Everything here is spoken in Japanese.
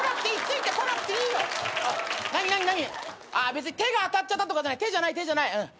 別に手が当たっちゃったとかじゃない手じゃない手じゃない。